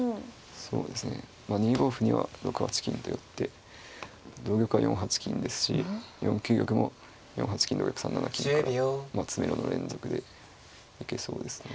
そうですね２五歩には６八金と寄って同玉は４八金ですし４九玉も４八金同玉３七金からまあ詰めろの連続でいけそうですね。